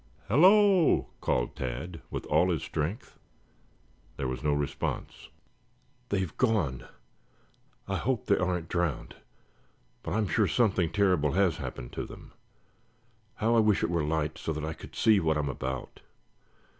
"Hello!" called Tad with all his strength. There was no response. "They've gone! I hope they aren't drowned, but I am sure something terrible has happened to them. How I wish it were light so that I could see what I am about."